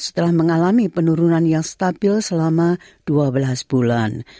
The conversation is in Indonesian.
setelah mengalami penurunan yang stabil selama dua belas bulan